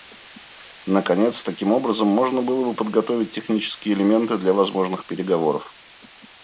Наконец, таким образом можно было бы подготовить технические элементы для возможных переговоров.